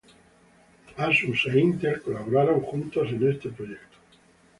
Asus e Intel colaboraron juntos en este proyecto.